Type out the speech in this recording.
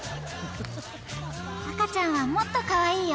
赤ちゃんはもっとかわいいよ。